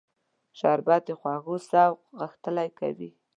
شربت د خوږو ذوق غښتلی کوي